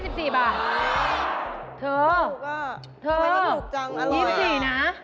เธอเธอ๒๔นะไม่ถูกจังอร่อยอร่อย